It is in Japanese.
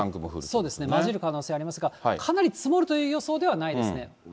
交じる可能性ありますが、かなり積もるという予想ではないですね。